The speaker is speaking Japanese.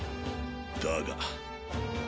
だが。